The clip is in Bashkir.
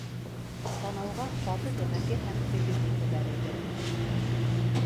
Танауға ҡаты тәмәке һәм дегет еҫе бәрелде.